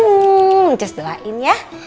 ancus doain ya